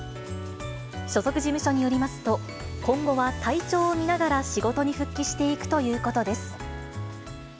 所属事務所によりますと、今後は体調を見ながら仕事に復帰していくということです。